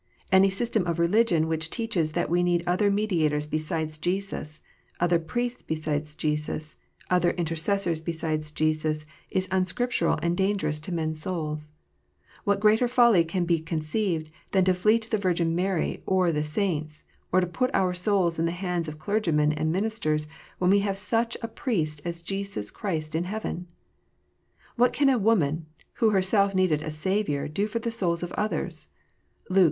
Any system of religion which teaches that we need other mediators besides Jesus, other priests besides Jesus, other intercessors besides Jesus, is unscrip tural and dangerous to men s souls. What greater folly can be conceived than to flee to the Virgin Mary or the saints, or to put our souls in the hands of clergymen and ministers, when we have such a Priest as Jesus Christ in heaven 1 What can a woman, who herself needed a " Saviour," do for the souls of others 1 (Luke i.